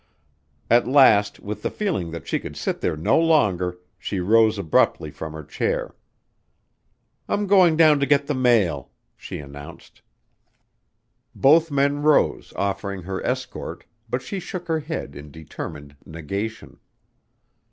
At last, with the feeling that she could sit there no longer, she rose abruptly from her chair. "I'm going down to get the mail," she announced. Both men rose, offering her escort, but she shook her head in determined negation.